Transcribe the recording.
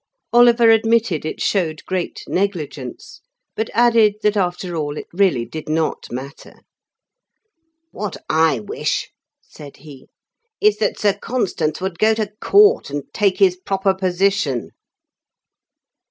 Oliver admitted it showed great negligence, but added that after all it really did not matter. "What I wish," said he, "is that Sir Constans would go to Court, and take his proper position."